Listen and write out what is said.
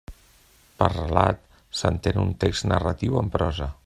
Per relat s'entén un text narratiu en prosa.